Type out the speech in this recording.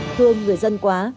thương người dân quá